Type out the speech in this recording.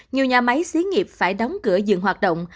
nhiều nhà máy xí nghiệp phải đóng cửa dừng hoạt động